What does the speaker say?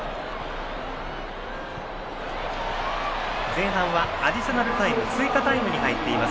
前半はアディショナルタイム追加タイムに入っています。